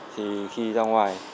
thì khi ra ngoài